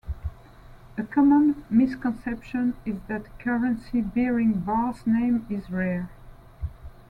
A common misconception is that currency bearing Barr's name is rare.